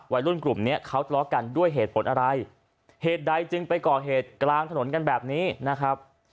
วัยรุ่นกลุ่มเนี้ยเขาทะเลาะกันด้วยเหตุผลอะไรเหตุใดจึงไปก่อเหตุกลางถนนกันแบบนี้นะครับ